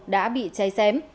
đã bị cháy xém